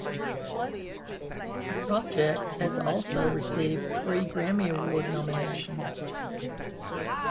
The project has also received three Grammy Award nominations.